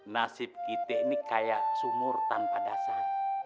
nasib kita ini kayak sumur tanpa dasar